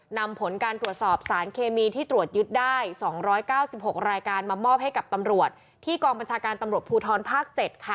นำผลการตรวจสอบสารเคมีที่ตรวจยึดได้๒๙๖รายการมามอบให้กับตำรวจที่กองบัญชาการตำรวจภูทรภาค๗ค่ะ